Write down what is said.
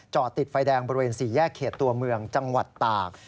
ติดไฟแดงบริเวณ๔แยกเขตตัวเมืองจังหวัดตาก